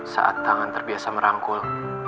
saat tangan terbiasa merangkul